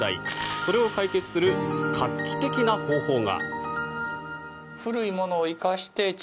それを解決する画期的な方法が。